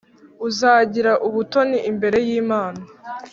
uzagira ubutoni imbere y’Imana